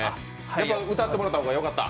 やっぱり歌ってもらった方がよかった？